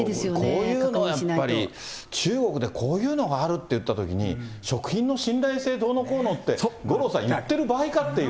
こういうのがやっぱり、中国でこういうのがあるっていったときに食品の信頼性どうのこうのって、五郎さん、言ってる場合かっていう。